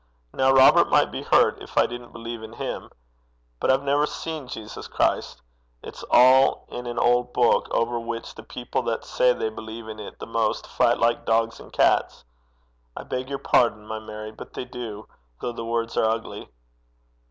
Now Robert might be hurt if I didn't believe in him. But I've never seen Jesus Christ. It's all in an old book, over which the people that say they believe in it the most, fight like dogs and cats. I beg your pardon, my Mary; but they do, though the words are ugly.'